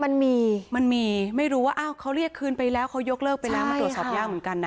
มันมีมันมีไม่รู้ว่าอ้าวเขาเรียกคืนไปแล้วเขายกเลิกไปแล้วมันตรวจสอบยากเหมือนกันนะ